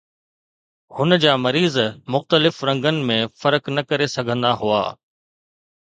هن جا مريض مختلف رنگن ۾ فرق نه ڪري سگهندا هئا